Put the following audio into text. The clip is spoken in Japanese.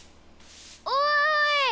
おい！